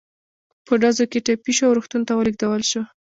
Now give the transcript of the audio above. په ډزو کې ټپي شو او روغتون ته ولېږدول شو.